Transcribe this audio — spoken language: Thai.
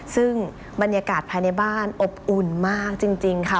ซึ่งบรรยากาศภายในบ้านอบอุ่นมากจริงค่ะ